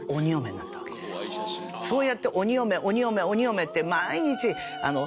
そうやって鬼嫁鬼嫁鬼嫁って。